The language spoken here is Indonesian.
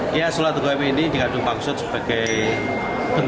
kita akan merasakan